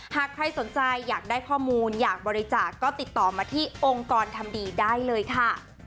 หากใครสนใจอยากได้ข้อมูลอยากบริจาคก็ติดต่อมาที่องค์กรทำดีได้เลยค่ะ